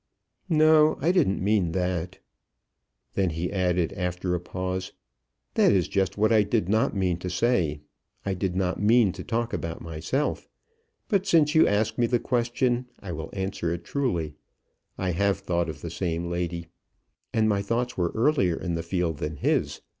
"No, I didn't mean that." Then he added, after a pause, "That is just what I did not mean to say. I did not mean to talk about myself. But since you ask me the question, I will answer it truly, I have thought of the same lady. And my thoughts were earlier in the field than his.